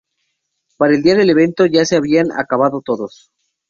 Para el día del evento ya se habían acabado todos.